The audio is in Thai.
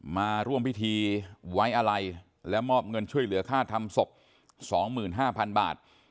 มาร่วมพิธีไว้อะไรและมอบเงินช่วยเหลือค่าทำศพ๒๕๐๐๐บาท